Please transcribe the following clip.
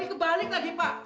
ini kebalik lagi pak